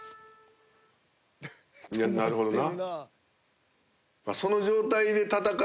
いやなるほどな。